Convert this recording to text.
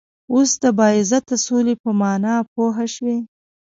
وس د باعزته سولی په معنا پوهه شوئ